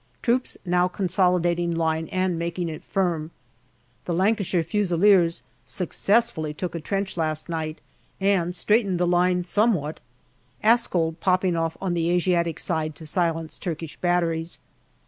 Troops now con solidating line and making it firm. The Lancashire Fusiliers successfully took a trench last night, and straightened the line somewhat. Askold popping off on the Asiatic side to silence Turkish batteries.